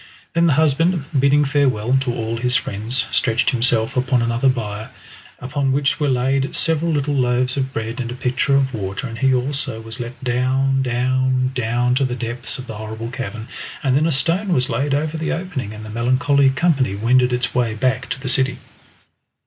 Then the husband, bidding farewell to all his friends, stretched himself upon another bier, upon which were laid seven little loaves of bread and a pitcher of water, and he also was let down down down to the depths of the horrible cavern, and then a stone was laid over the opening, and the melancholy company wended its way back to the city.